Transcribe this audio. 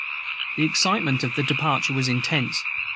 The excitement of the departure was intense.